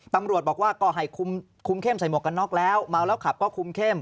ตำรวจบอกว่าก็ให้คุมเข้มใส่หมวกกันน็อกแล้วเมาแล้วขับก็คุมเข้ม